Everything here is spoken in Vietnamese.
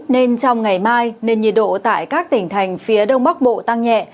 nên trong ngày mai nền nhiệt độ tại các tỉnh thành phía đông bắc bộ tăng nhẹ